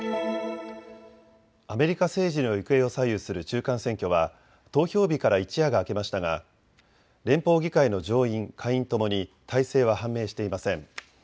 アメリカ政治の行方を左右する中間選挙は投票日から一夜が明けましたが、連邦議会の上院、下院ともに大勢は判明していません。